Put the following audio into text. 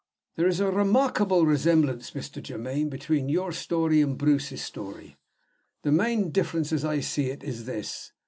"There's a marvelous resemblance, Mr. Germaine, between your story and Bruce's story. The main difference, as I see it, is this.